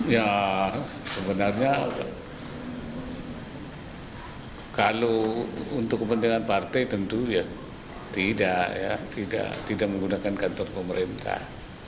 ya sebenarnya kalau untuk kepentingan partai tentu ya tidak ya tidak menggunakan kantor pemerintah